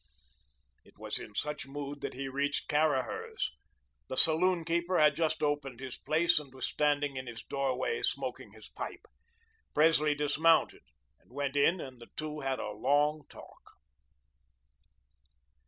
It was in such mood that he reached Caraher's. The saloon keeper had just opened his place and was standing in his doorway, smoking his pipe. Presley dismounted and went in and the two had a long talk.